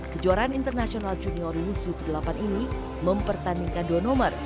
kejuaraan internasional junior wusu ke delapan ini mempertandingkan dua nomor